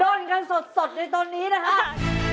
้นกันสดในตอนนี้นะครับ